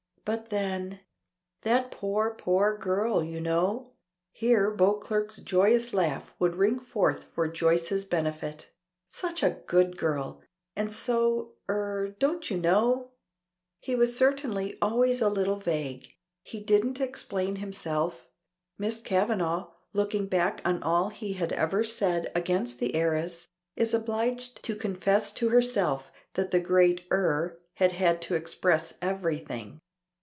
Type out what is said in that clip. But then "That poor, good girl you know!" Here, Beauclerk's joyous laugh would ring forth for Joyce's benefit. "Such a good girl; and so er don't you know!" He was certainly always a little vague. He didn't explain himself. Miss Kavanagh, looking back on all he had ever said against the heiress, is obliged to confess to herself that the great "er" had had to express everything.